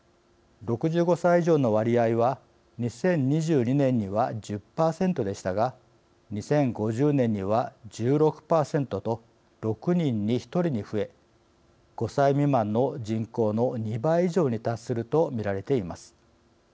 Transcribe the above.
６５歳以上の割合は２０２２年には１０％でしたが２０５０年には１６％と６人に１人に増え５歳未満の人口の２倍以上に達すると見られています。